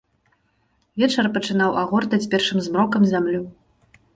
Вечар пачынаў агортаць першым змрокам зямлю.